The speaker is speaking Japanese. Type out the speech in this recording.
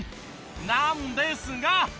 なんですが。